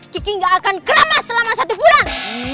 kiki nggak akan keramas selama satu bulan